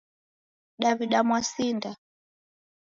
Daw'ida mwasinda